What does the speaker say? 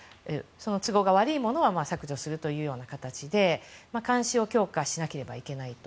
都合が悪いものは削除するというような形で監視を強化しなければいけないと。